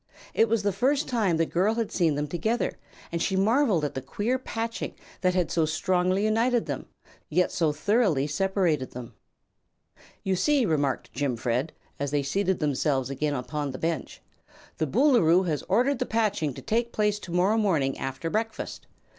It was the first time the girl had seen them together and she marveled at the queer patching that had so strongly united them, yet so thoroughly separated them. "You see," remarked Jimfred, as they seated themselves again upon the bench, "the Boolooroo has ordered the patching to take place to morrow morning after breakfast.